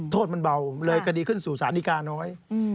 โทษมันเบาเลยคดีขึ้นสู่สารดีกาน้อย